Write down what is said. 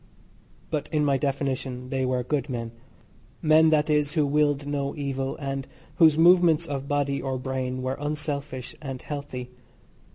But in my definition they were good men men, that is, who willed no evil, and whose movements of body or brain were unselfish and healthy.